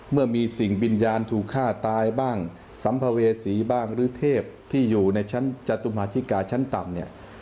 เมื่อมีสิ่งวิญญาณถูกฆ่าตายบ้างสัมภเวษีบ้างหรือเทพที่อยู่ในชั้นจตุมาธิกาชั้นต่ำเนี่ย